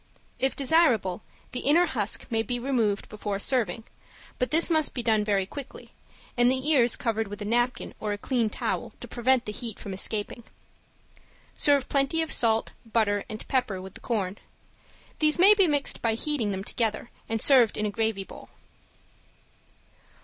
If desirable, the inner husk may be removed before serving, but this must be done very quickly, and the ears covered with a napkin or a clean towel to prevent the heat from escaping. Serve plenty of salt, butter and pepper with the corn. These may be mixed by heating them together, and serve in a gravy bowl.